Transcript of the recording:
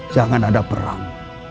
jangan ada perang